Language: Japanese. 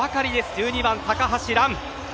１２番、高橋藍。